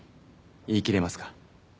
言いきれますか？